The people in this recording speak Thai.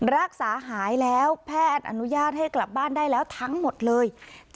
รักษาหายแล้วแพทย์อนุญาตให้กลับบ้านได้แล้วทั้งหมดเลย